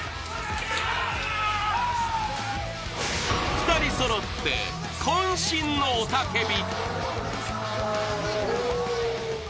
２人そろってこん身の雄たけび！